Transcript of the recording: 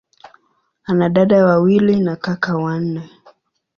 Ana dada wawili na kaka wanne.